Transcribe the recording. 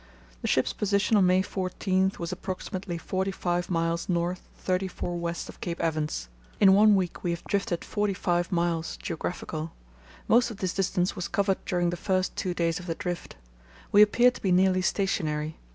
The ship's position on May 14 was approximately forty five miles north, thirty four west of Cape Evans. "In one week we have drifted forty five miles (geographical). Most of this distance was covered during the first two days of the drift. We appear to be nearly stationary.